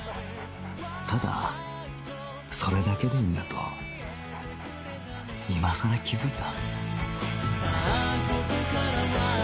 ただそれだけでいいんだと今さら気づいた